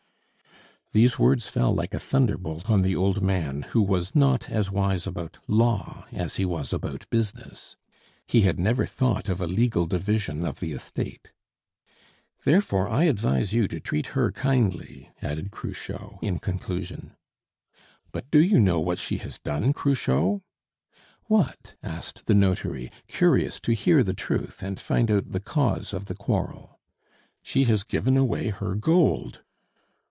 These words fell like a thunderbolt on the old man, who was not as wise about law as he was about business. He had never thought of a legal division of the estate. "Therefore I advise you to treat her kindly," added Cruchot, in conclusion. "But do you know what she has done, Cruchot?" "What?" asked the notary, curious to hear the truth and find out the cause of the quarrel. "She has given away her gold!"